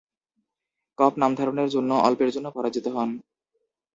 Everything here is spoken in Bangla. কপ নামধারণের জন্য অল্পের জন্য পরাজিত হন।